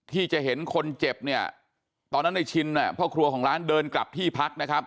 ที่จะเห็นคนเจ็บตอนนั้นได้ชินพ่อครัวของร้านเดินกลับที่พัก